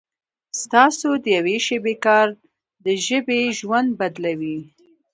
ستاسو د یوې شېبې کار د ژبې ژوند بدلوي.